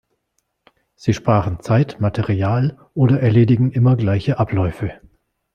Sie sparen Zeit, Material oder erledigen immer gleiche Abläufe.